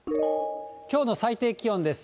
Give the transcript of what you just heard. きょうの最低気温です。